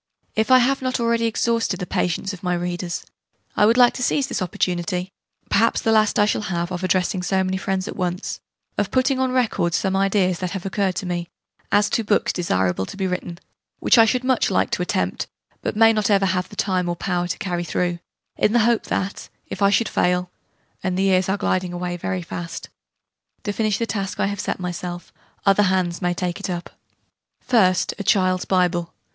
If I have not already exhausted the patience of my readers, I would like to seize this opportunity perhaps the last I shall have of addressing so many friends at once of putting on record some ideas that have occurred to me, as to books desirable to be written which I should much like to attempt, but may not ever have the time or power to carry through in the hope that, if I should fail (and the years are gliding away very fast) to finish the task I have set myself, other hands may take it up. First, a Child's Bible.